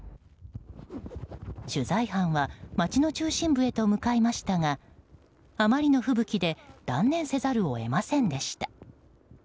取材班は街の中心部へと向かいましたがあまりの吹雪で断念せざるを得ませんでした。